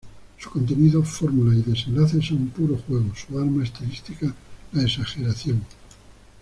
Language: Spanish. Su contenido, fórmulas y desenlaces son puro juego, su arma estilística la exageración.